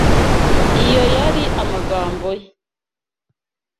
Iyo yari amagambo ye.